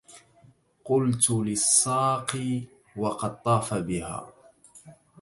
قلت للساقي وقد طاف بها